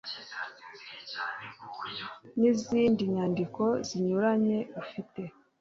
n'izindi nyandiko zinyuranye ufite